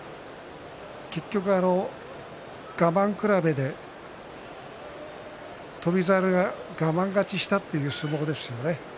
結局、我慢比べで翔猿が我慢勝ちしたという相撲ですね。